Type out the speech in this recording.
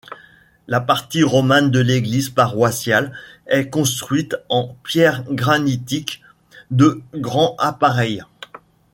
La partie romane de l'église paroissiale est construite en pierres granitiques de grand appareil.